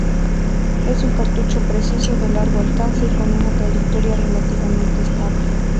Es un cartucho preciso, de largo alcance y con una trayectoria relativamente estable.